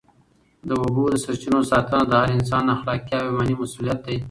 د اوبو د سرچینو ساتنه د هر انسان اخلاقي او ایماني مسؤلیت دی.